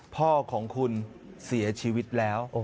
พ่อของคุณเสียชีวิตแล้ว